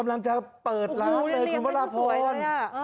กำลังจะเปิดล้านเลยคุณบ๊าฬพลอูหูเลี้ยงไว้สะสวยเลยน่ะ